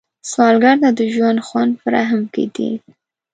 سوالګر ته د ژوند خوند په رحم کې دی